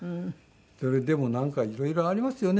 でもなんか色々ありますよね。